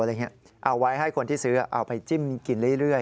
เอาไว้ให้คนที่ซื้อเอาไปจิ้มกินเรื่อย